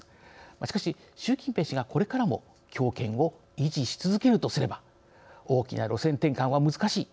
しかし、習近平氏がこれからも強権を維持し続けるとすれば大きな路線転換は難しい。